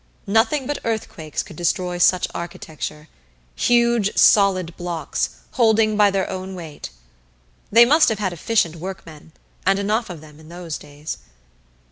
Nothing but earthquakes could destroy such architecture huge solid blocks, holding by their own weight. They must have had efficient workmen and enough of them in those days.